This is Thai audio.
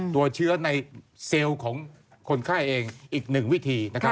ตัวเชื้อในเซลล์ของคนไข้เองอีกหนึ่งวิธี